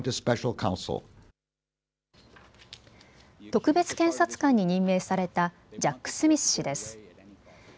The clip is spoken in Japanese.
特別検察官に任命されたジャック・スミス氏です。